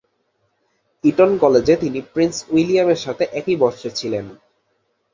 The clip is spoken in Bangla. ইটন কলেজে তিনি প্রিন্স উইলিয়ামের সাথে একই বর্ষে ছিলেন।